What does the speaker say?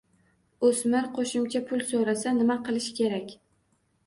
O‘smir qo‘shimcha pul so‘rasa, nima qilish kerak.